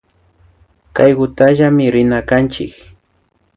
Kaykutallami rina kanchik